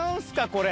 これ。